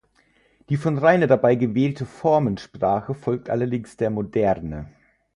Die von Rainer dabei gewählte Formensprache folgt allerdings der Moderne.